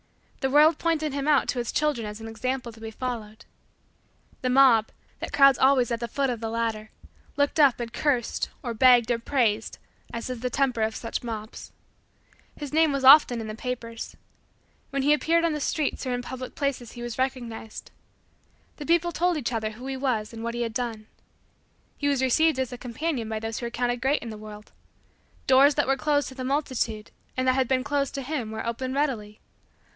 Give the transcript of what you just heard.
The world pointed him out to its children as an example to be followed. The mob, that crowds always at the foot of the ladder, looked up and cursed or begged or praised as is the temper of such mobs. His name was often in the papers. When he appeared on the streets or in public places he was recognized. The people told each other who he was and what he had done. He was received as a companion by those who were counted great by the world. Doors that were closed to the multitude, and that had been closed to him, were opened readily.